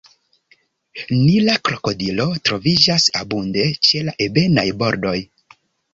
Nila krokodilo troviĝas abunde ĉe la ebenaj bordoj.